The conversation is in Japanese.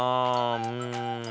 うん。